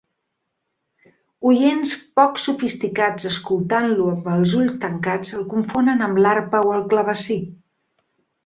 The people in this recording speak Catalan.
Oients poc sofisticats escoltant-lo amb els ulls tancats el confonen amb l'arpa o el clavecí.